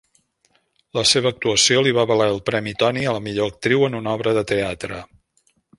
La seva actuació li va valer el premi Tony a la millor actriu en una obra de teatre.